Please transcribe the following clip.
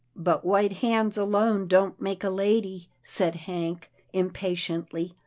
" But white hands alone don't make a lady," said Hank, impatiently.